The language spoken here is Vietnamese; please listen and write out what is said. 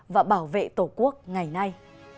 và bảo vệ tổ quốc ngày nay